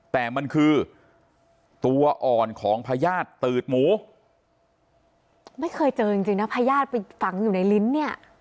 แต่มันคือตัวอ่อนของพญาติตืดหมูไม่เคยเจอจริงจริงนะพญาติไปฝังอยู่ในลิ้นเนี่ย